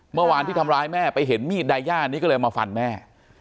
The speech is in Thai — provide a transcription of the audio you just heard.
เมื่อวานที่ทำร้ายแม่ไปเห็นมีดไดย่านี้ก็เลยมาฟันแม่